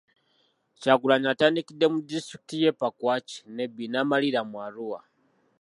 Kyagulanyi atandikidde mu disitulikiti y'e Pakwach, Nebbi n'amalira mu Arua .